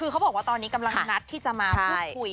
คือเขาบอกว่าตอนนี้กำลังนัดที่จะมาพูดคุย